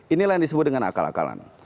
inilah yang disebut dengan akal akalan